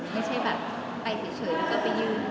ไม่ใช่แบบไปเฉยแล้วก็ไปยืน